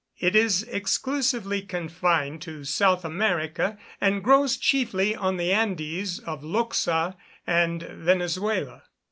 It is exclusively confined to South America, and grows chiefly on the Andes of Loxa and Venezuela.